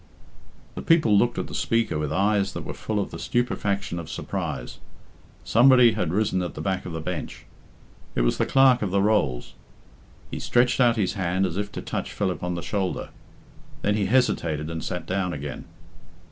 The people looked at the speaker with eyes that were full of the stupefaction of surprise. Somebody bad risen at the back of the bench. It was the Clerk of the Rolls. He stretched out his hand as if to touch Philip on the shoulder. Then he hesitated and sat down again.